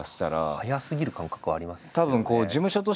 早すぎる感覚はありますよね。